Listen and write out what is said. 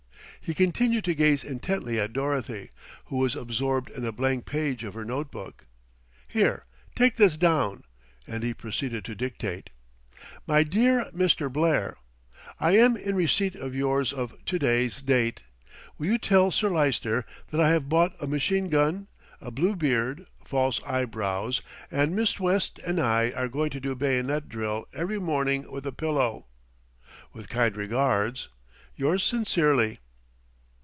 He continued to gaze intently at Dorothy, who was absorbed in a blank page of her note book. "Here, take this down;" and he proceeded to dictate. "MY DEAR MR. BLAIR, "I am in receipt of yours of to day's date. Will you tell Sir Lyster that I have bought a machine gun, a blue beard, false eyebrows, and Miss West and I are going to do bayonet drill every morning with a pillow. "With kind regards, "Yours sincerely."